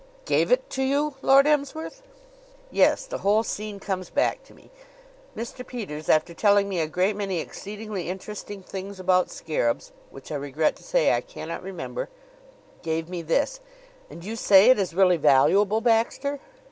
"Gave it to you, Lord Emsworth?" "Yes. The whole scene comes back to me. Mr. Peters, after telling me a great many exceedingly interesting things about scarabs, which I regret to say I cannot remember, gave me this. And you say it is really valuable, Baxter?"